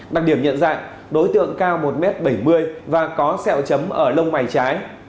đặc điểm nhận dạng đối tượng cao một m bảy mươi và có sẹo chấm ở lông mày trái